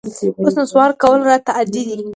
اوس نسوار کول راته عادي دي